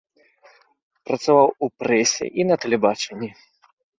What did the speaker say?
Працаваў у прэсе і на тэлебачанні.